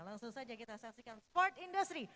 langsung saja kita saksikan sport industry